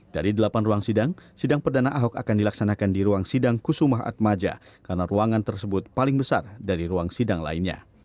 dari delapan ruang sidang sidang perdana ahok akan dilaksanakan di ruang sidang kusumah atmaja karena ruangan tersebut paling besar dari ruang sidang lainnya